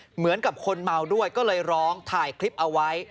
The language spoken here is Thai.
เหมือนกับคนเมาด้วยก็เลยร้องถ่ายคลิปเอาไว้